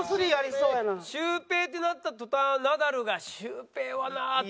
シュウペイってなった途端ナダルが「シュウペイはな」って。